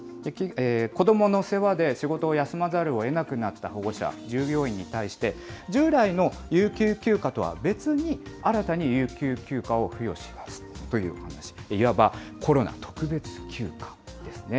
子どもの世話で仕事を休まざるをえなくなった保護者、従業員に対して、従来の有給休暇とは別に、新たに有給休暇を付与しますというお話、いわばコロナ特別休暇ですね。